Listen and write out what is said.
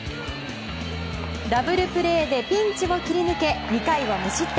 ダブルプレーでピンチを切り抜け２回は無失点。